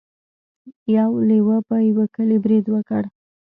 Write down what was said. یو لیوه په یوه کلي برید وکړ.